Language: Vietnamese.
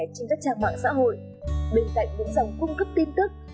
trên các trang mạng xã hội bên cạnh những dòng cung cấp tin tức